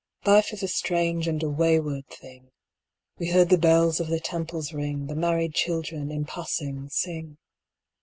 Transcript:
Life is a strange and a wayward thing: We heard the bells of the Temples ring, The married children, in passing, sing.